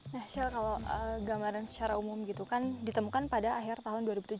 nah shell kalau gambaran secara umum gitu kan ditemukan pada akhir tahun dua ribu tujuh belas